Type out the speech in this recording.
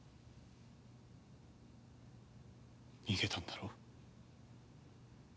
逃げたんだろ？